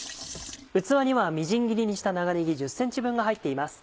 器にはみじん切りにした長ねぎ１０ｃｍ分が入っています。